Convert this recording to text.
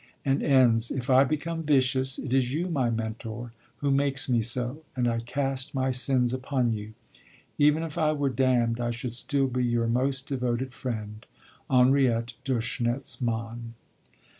and ends: 'If I become vicious, it is you, my Mentor, who make me so, and I cast my sins upon you. Even if I were damned I should still be your most devoted friend, Henriette de Schnetzmann.'